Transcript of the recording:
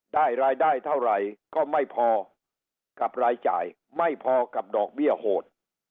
รายได้เท่าไหร่ก็ไม่พอกับรายจ่ายไม่พอกับดอกเบี้ยโหด